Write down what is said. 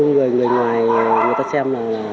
người ngoài người ta xem